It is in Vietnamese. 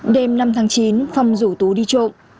đêm năm tháng chín phong rủ tú đi trộm